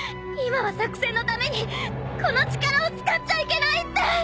今は作戦のためにこの力を使っちゃいけないって！